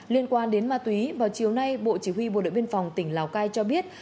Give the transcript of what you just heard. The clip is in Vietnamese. liên quan đến ma túy vào chiều nay bộ chỉ huy bộ đội biên phòng tỉnh lào cai cho biết